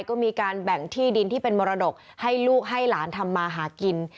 ก็มีการแบ่งที่ดินที่เป็นมรดกให้ลูกให้หลานทำมาหากิน